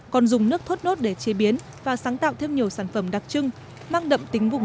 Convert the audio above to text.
còn dùng nước thốt nốt để chế biến và sáng tạo thêm nhiều sản phẩm đặc trưng mang đậm tính vùng